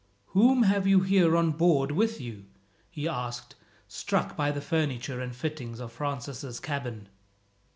"Whom have you here on board with you?" he asked, struck with the furniture and fittings of Francis' cabin.